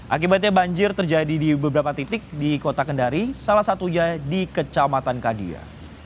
akibatnya banjir terjadi di beberapa titik di kota kendari salah satunya di kecamatan kadia